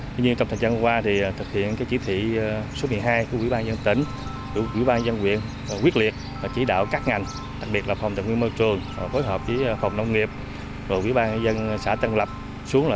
tuy nhiên trong thời gian qua thì thực hiện cái chỉ thị số một mươi hai của quỹ ban dân tỉnh quỹ ban dân quyện quyết liệt chỉ đạo các ngành đặc biệt là phòng tài nguyên môi trường phối hợp với phòng nông nghiệp và quỹ ban dân xã tân lập xuống